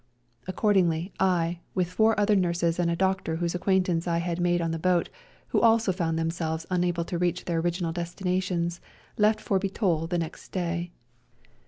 Accordingly, I, with four REJOINING THE SERBIANS 5 other nurses and a doctor whose acquaint ance I had made on the boat, who also found themselves unable to reach their original destinations, left for Bitol the next day.